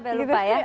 saking lupa ya